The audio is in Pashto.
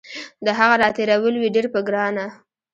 د هغه راتېرول وي ډیر په ګرانه